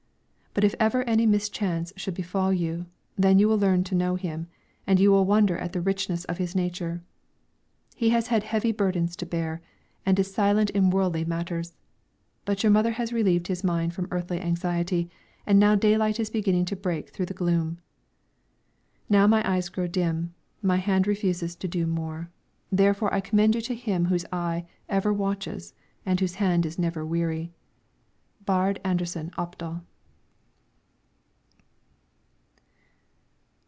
But if ever any mischance should befall you, then you will learn to know him, and you will wonder at the richness of his nature. He has had heavy burdens to bear, and is silent in worldly matters; but your mother has relieved his mind from earthly anxiety, and now daylight is beginning to break through the gloom. Now my eyes grow dim, my hand refuses to do more. Therefore I commend you to Him whose eye ever watches, and whose hand is never weary. BAARD ANDERSEN OPDAL.